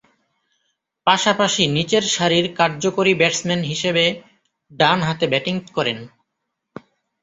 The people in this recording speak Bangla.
পাশাপাশি নিচের সারির কার্যকরী ব্যাটসম্যান হিসেবে ডানহাতে ব্যাটিং করেন।